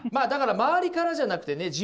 だから周りからじゃなくてね